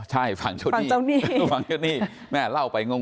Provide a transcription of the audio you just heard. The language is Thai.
ใช่ฝั่งชุดนี้เจ้าหนี้ฝั่งเจ้าหนี้แม่เล่าไปงง